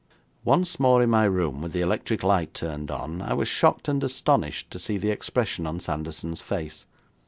Once more in my room with the electric light turned on, I was shocked and astonished to see the expression on Sanderson's face.